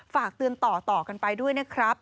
ฝากเตือนต่อกันไปด้วยนะครับ